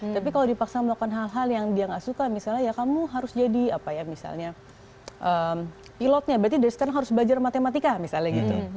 tapi kalau dipaksa melakukan hal hal yang dia nggak suka misalnya ya kamu harus jadi apa ya misalnya pilotnya berarti dari sekarang harus belajar matematika misalnya gitu